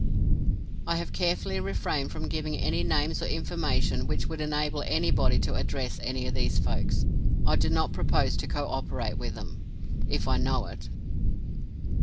I have carefully refrained from giving any names or information which would enable anybody to address any of these folks. I do not propose to cooperate with them, if I know it.